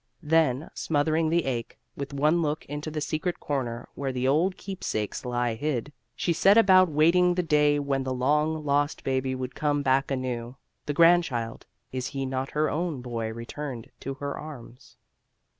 Then, smothering the ache, with one look into the secret corner where the old keepsakes lie hid, she set about waiting the day when the long lost baby would come back anew. The grandchild is he not her own boy returned to her arms?